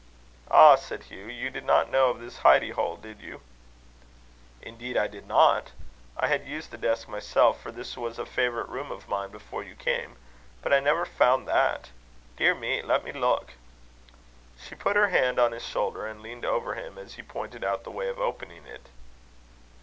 "Ah!" said Hugh, "you did not know of this hidie hole, did you?" "Indeed, I did not. I had used the desk myself, for this was a favourite room of mine before you came, but I never found that. Dear me! Let me look." She put her hand on his shoulder and leaned over him, as he pointed out the way of opening it.